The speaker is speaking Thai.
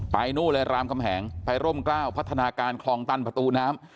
นู่นเลยรามคำแหงไปร่มกล้าวพัฒนาการคลองตันประตูน้ำ